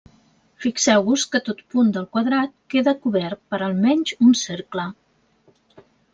Fixeu-vos que tot punt del quadrat queda cobert per almenys un cercle.